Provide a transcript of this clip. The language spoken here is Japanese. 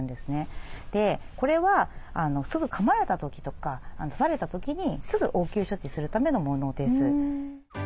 でこれはかまれた時とか刺された時にすぐ応急処置するためのものです。